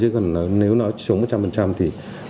chứ còn nếu nó chống một trăm linh thì